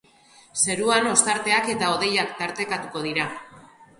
Zeruan ostarteak eta hodeiak tartekatuko dira.